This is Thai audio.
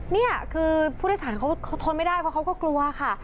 นี่คือผู้โดยสารเขาทนไม่ได้เพราะเขาก็กลัวค่ะ